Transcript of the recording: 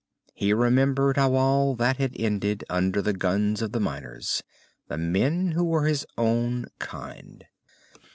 He remembered how all that had ended, under the guns of the miners the men who were his own kind.